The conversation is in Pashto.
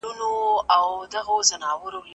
خپل همت په هیڅ ډول سختو حالاتو کې مه بایلئ.